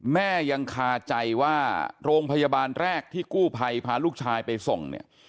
แม่ยังคาใจว่าโรงพยาบาลแรกที่กู้ภัยพาลูกชายไปส่งเนี่ย